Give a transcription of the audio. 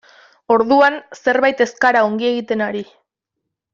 Orduan zerbait ez gara ongi egiten ari.